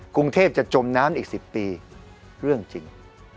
กรุงเทพจะจมน้ำอีก๑๐ปีเรื่องจริง